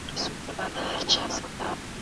مېرمني بايد خپلي ستونزي په سړه سينه حل کړي.